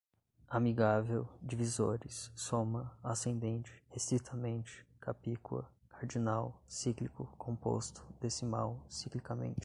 amigável, divisores, soma, ascendente, estritamente, capicua, cardinal, cíclico, composto, decimal, ciclicamente